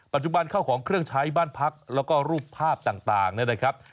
เข้าของเครื่องใช้บ้านพักแล้วก็รูปภาพต่างเนี่ยนะครับ